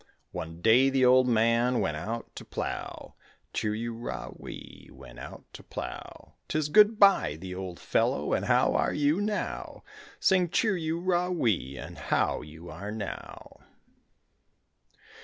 One day the old man went out to plow, Chir u ra wee, went out to plow; 'Tis good bye the old fellow, and how are you now, Sing chir u ra wee, and how are you now.